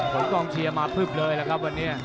โผลิตกล้องเฉียมาพึ่บเลยละครับบันเนี้ย